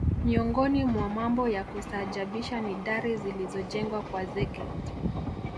Miongoni mwa mambo ya kustaajabisha ni dari zilizojengwa kwa zege